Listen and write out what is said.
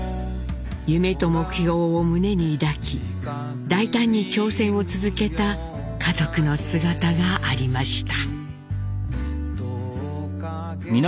夢と目標を胸に抱き大胆に挑戦を続けた家族の姿がありました。